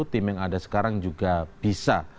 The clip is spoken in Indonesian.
tim yang ada sekarang juga bisa